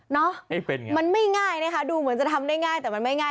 ไม่เป็นไงมันไม่ง่ายนะคะดูเหมือนจะทำได้ง่ายแต่มันไม่ง่าย